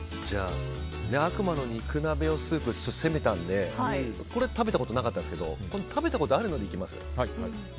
悪魔の肉鍋用スープ攻めたんでこれ食べたことなかったんですけど食べたことあるのでいきます。